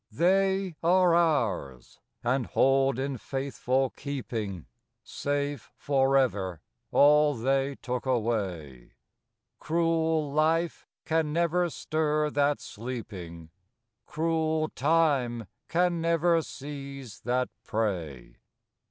They are ours, and hold in faithful keeping, Safe forever all they took away. Cruel life can never stir that sleeping, Cruel time can never seize that prey.